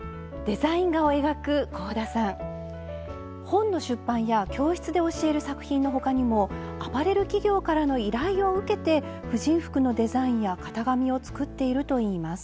本の出版や教室で教える作品の他にもアパレル企業からの依頼を受けて婦人服のデザインや型紙を作っているといいます。